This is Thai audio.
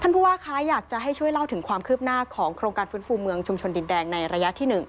ผู้ว่าคะอยากจะให้ช่วยเล่าถึงความคืบหน้าของโครงการฟื้นฟูเมืองชุมชนดินแดงในระยะที่๑